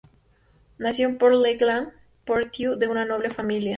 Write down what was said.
Nació en Port-le-Grand, Ponthieu, de una noble familia.